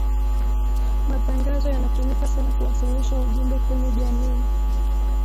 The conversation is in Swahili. matangazo yanatumika sana kuwasilisha ujumbe kwenye jamii